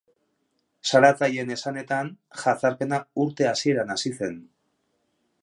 Salatzaileen esanetan, jazarpena urte hasieran hasi zen.